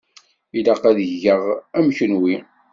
Ilaq ad geɣ am kunwi.